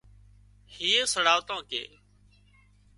هيئي سڙاواتان ڪي